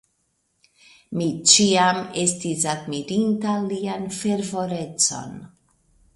Mi ĉiam estis admirinta lian fervorecon.